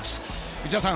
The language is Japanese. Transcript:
内田さん